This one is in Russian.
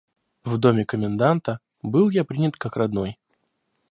В доме коменданта был я принят как родной.